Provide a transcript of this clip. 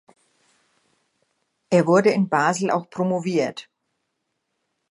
Er wurde in Basel auch promoviert.